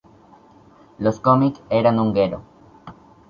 Los cómic eran un ghetto.